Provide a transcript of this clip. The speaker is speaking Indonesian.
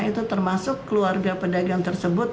itu termasuk keluarga pedagang tersebut